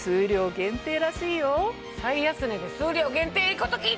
最安値で数量限定ええこと聞いた！